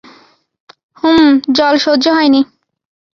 হুম, জল সহ্য হয়নি।